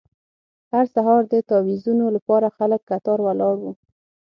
هر سهار د تاویزونو لپاره خلک کتار ولاړ وو.